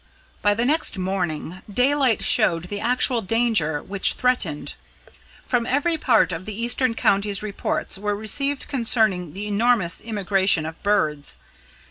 By the next morning, daylight showed the actual danger which threatened. From every part of the eastern counties reports were received concerning the enormous immigration of birds.